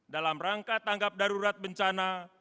dalam rangka tanggap darurat bencana